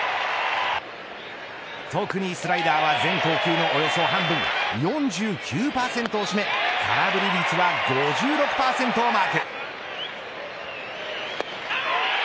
特にスライダーは全投球のおよそ半分、４９％を占め空振り率は５６％をマーク。